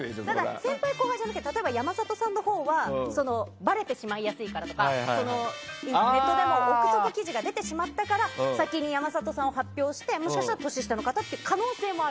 先輩・後輩じゃなくて例えば、山里さんのほうはばれてしまいやすいからとかネットでも憶測記事が出てしまったから先に山里さんを発表して、もしかしたら年下の方っていう可能性もある。